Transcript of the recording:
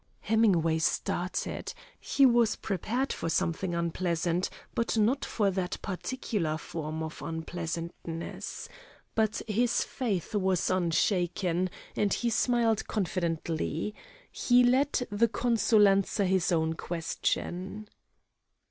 Hemingway started. He was prepared for something unpleasant, but not for that particular form of unpleasantness. But his faith was unshaken, and he smiled confidently. He let the consul answer his own question.